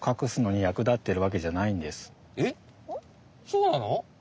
そうなの？